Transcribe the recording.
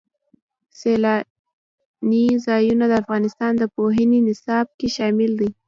سیلانی ځایونه د افغانستان د پوهنې نصاب کې شامل دي.